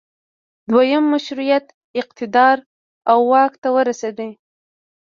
دویم مشروطیت اقتدار او واک ته ورسید.